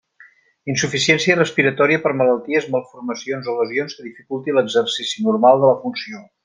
Insuficiència respiratòria per malalties, malformacions o lesions, que dificulti l'exercici normal de la funció.